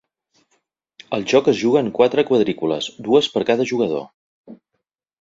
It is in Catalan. El joc es juga en quatre quadrícules, dues per a cada jugador.